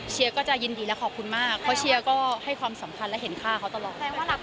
เชียร์ก็จะยินดีและขอบคุณมากเพราะเชียร์ก็ให้ความสำคัญและเห็นค่าเขาตลอด